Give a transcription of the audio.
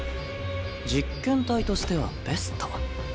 実験体としてはベスト。